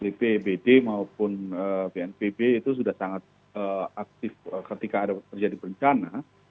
bpbd maupun bnpb itu sudah sangat aktif ketika ada terjadi bencana